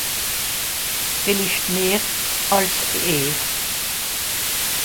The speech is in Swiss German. Villicht meh àls ìhr.